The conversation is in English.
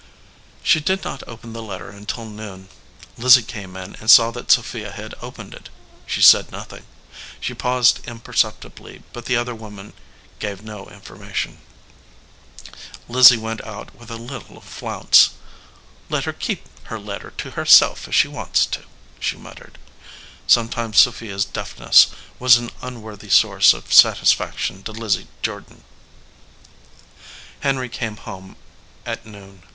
She did not open the letter until noon. Lizzie came in and saw that Sophia had opened it. She said nothing. She paused imperceptibly, but the other woman gave no information. Lizzie went 250 THE SOLDIER MAN out with a little flounce. "Let her keep her letter to herself if she wants to," she muttered. Some times Sophia s deafness was an unworthy source of satisfaction to Lizzie Jordan. Henry came home at noon.